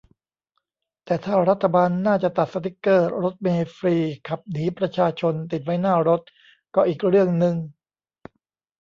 แต้ถ้ารัฐบาลหน้าจะตัดสติ๊กเกอร์ "รถเมล์ฟรี ขับหนีประชาชน" ติดไว้หน้ารถ ก็อีกเรื่องนึง